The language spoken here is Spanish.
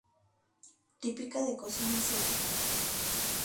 Típica de cocina asiática.